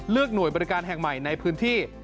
หน่วยบริการแห่งใหม่ในพื้นที่